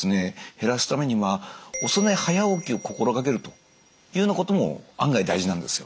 減らすためにまあ遅寝早起きを心がけるというようなことも案外大事なんですよ。